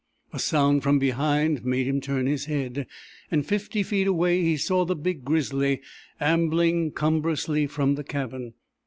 A sound from behind made him turn his head, and fifty feet away he saw the big grizzly ambling cumbrously from the cabin.